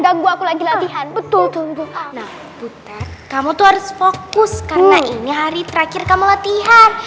menunggu aku lagi latihan betul betul kamu tuh harus fokus karena ini hari terakhir kamu latihan